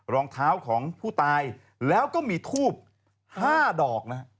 รองเท้าของผู้ตายแล้วก็มีทูบ๕ดอกนะฮะ